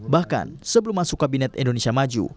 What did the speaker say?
bahkan sebelum masuk kabinet indonesia maju